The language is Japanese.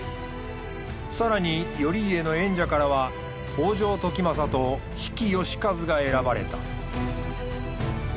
更に頼家の縁者からは北条時政と比企能員が選ばれた。